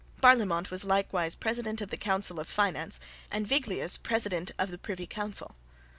Barlaymont was likewise president of the Council of Finance and Viglius president of the Privy Council.